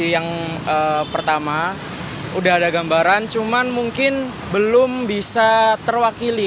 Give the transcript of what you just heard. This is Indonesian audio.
yang pertama udah ada gambaran cuman mungkin belum bisa terwakili